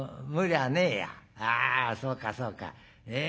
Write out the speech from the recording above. ああそうかそうか。